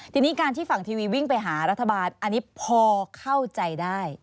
ทีนี้การที่ฝั่งทีวีวิ่งไปหารัฐบาลอันนี้พอเข้าใจได้